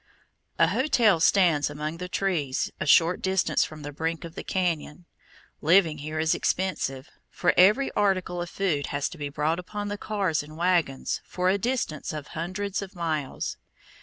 A hotel stands among the trees a short distance from the brink of the cañon. Living here is expensive, for every article of food has to be brought upon the cars and wagons for a distance of hundreds of miles.